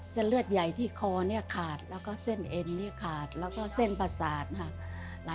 เส้นเลือดใหญ่ที่คอเนี่ยขาดแล้วก็เส้นเอ็นขาดแล้วก็เส้นประสาทค่ะ